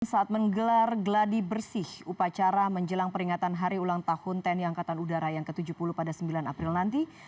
saat menggelar gladi bersih upacara menjelang peringatan hari ulang tahun tni angkatan udara yang ke tujuh puluh pada sembilan april nanti